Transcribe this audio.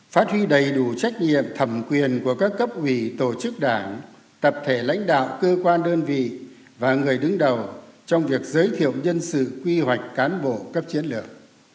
phát huy đầy đủ trách nhiệm thẩm quyền của các cấp ủy tổ chức đảng tập thể lãnh đạo cơ quan đơn vị và người đứng đầu trong việc giới thiệu nhân sự quy hoạch cán bộ cấp chiến lược